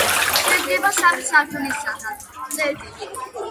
შედგება სამი სართულისაგან.